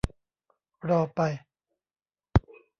รอไป